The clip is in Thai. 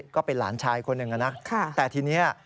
ก็เป็นหลานชายคนหนึ่งนะแต่ทีนี้